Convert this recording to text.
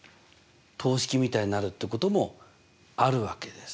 等式みたいになるってこともあるわけです。